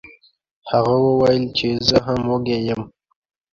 هغه وویل چې زه هم وږی یم.